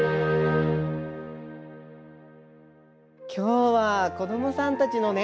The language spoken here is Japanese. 今日は子どもさんたちのね